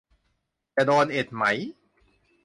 จะโดนเอ็ดไหม